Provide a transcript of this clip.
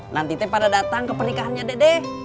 nanti te pada datang ke pernikahannya dede